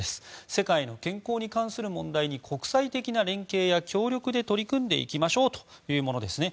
世界の健康に関する問題に国際的な連携や協力で取り組んでいきましょうというものですね。